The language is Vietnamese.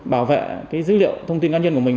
bảo vệ dữ liệu thông tin cá nhân của mình